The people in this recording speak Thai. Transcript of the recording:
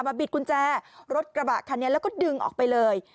บิดกุญแจรถกระบะคันนี้แล้วก็ดึงออกไปเลย